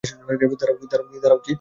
দাঁড়াও, কী?